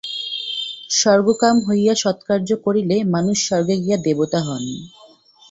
স্বর্গকাম হইয়া সৎকার্য করিলে মানুষ স্বর্গে গিয়া দেবতা হন।